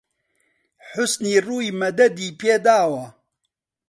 حوسنی ڕووی مەدەدی پێ داوە